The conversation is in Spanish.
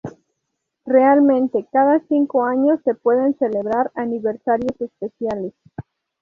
Realmente, cada cinco años se pueden celebrar aniversarios especiales.